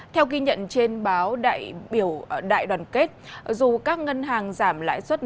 theo ghi nhận trên báo đại biểu đại đoàn kết dù các ngân hàng giảm lãi